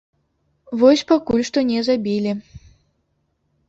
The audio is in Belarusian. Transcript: Вось пакуль што не забілі.